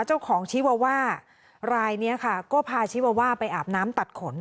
เจ้าของชีวาว่ารายนี้ค่ะก็พาชีวาว่าไปอาบน้ำตัดขน